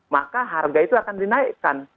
maka harga itu akan dinaikkan